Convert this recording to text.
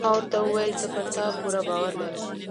ما ورته وویل: زه پر تا پوره باور لرم.